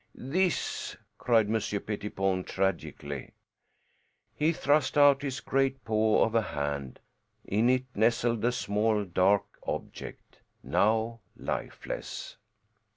"This!" cried Monsieur Pettipon tragically. He thrust out his great paw of a hand; in it nestled a small dark object, now lifeless.